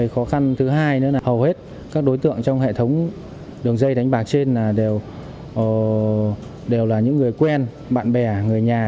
khó khăn thứ hai nữa là hầu hết các đối tượng trong hệ thống đường dây đánh bạc trên đều là những người quen bạn bè người nhà